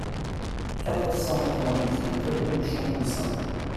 quatre cent quatre-vingt-dix-huit rue du Champ Pussin